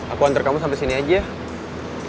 aku antar kamu sampai sini aja